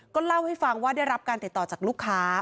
ก็เล่าให้ฟังว่าได้รับการติดต่อจากลูกค้า